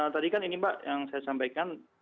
tadi kan ini mbak yang saya sampaikan